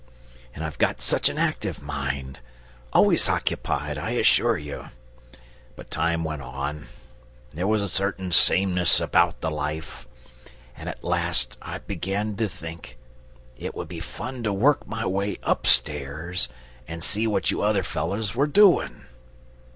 And I've got such an active mind always occupied, I assure you! But time went on, and there was a certain sameness about the life, and at last I began to think it would be fun to work my way upstairs and see what you other fellows were doing.